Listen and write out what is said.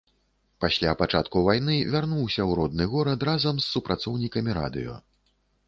Пасля пачатку войны вярнуўся ў родны горад разам з супрацоўнікамі радыё.